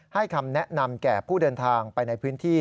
คำแนะนำแก่ผู้เดินทางไปในพื้นที่